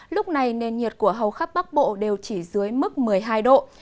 lúc này nền nhiệt của hầu khắp bắc bộ đều chỉ dưới mức một mươi hai độ